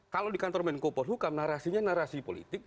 kalau di kantor main kupol hukum narasinya narasi politik